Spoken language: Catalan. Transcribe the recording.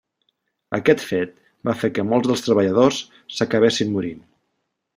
Aquest fet va fer que molts dels treballadors s'acabessin morint.